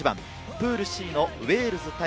プールＣのウェールズ対